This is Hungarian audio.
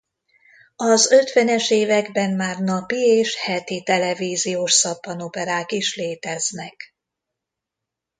Az ötvenes években már napi és heti televíziós szappanoperák is léteznek.